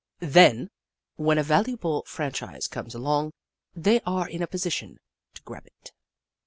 Then, when a valuable franchise comes along, they are in a position to grab it.